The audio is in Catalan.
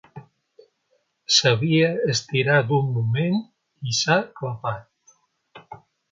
S'havia estirat un moment i s'ha clapat.